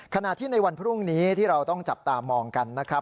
ขณะที่ในวันพรุ่งนี้ที่เราต้องจับตามองกันนะครับ